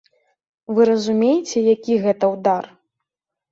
Вы разумееце, які гэта ўдар?